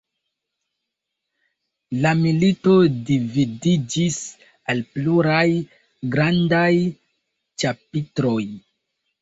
La milito dividiĝis al pluraj grandaj ĉapitroj.